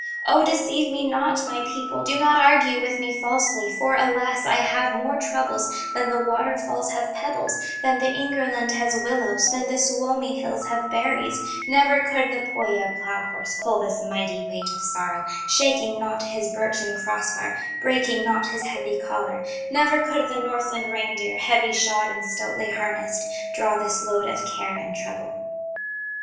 "O, deceive me not, my people, Do not argue with me falsely, For alas! I have more troubles Than the waterfalls have pebbles, Than the Ingerland has willows, Than the Suomi hills have berries; Never could the Pohya plow horse Pull this mighty weight of sorrow, Shaking not his birchen cross bar, Breaking not his heavy collar; Never could the Northland reindeer Heavy shod and stoutly harnessed, Draw this load of care and trouble."